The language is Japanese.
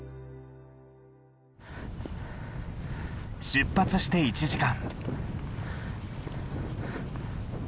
出発して１時間。